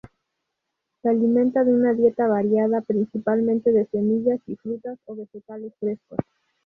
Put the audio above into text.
Se alimenta de una dieta variada, principalmente de semillas y fruta o vegetales frescos.